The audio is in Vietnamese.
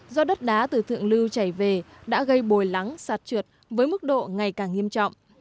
do đất đá từ thượng lưu chảy về đã gây bồi lắng sạt trượt với mức độ ngày càng nghiêm trọng